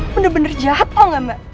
bener bener jahat tau gak mbak